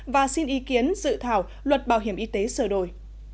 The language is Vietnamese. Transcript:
và xin ý kiến dự thảo luật bảo hiểm y tế sửa đổi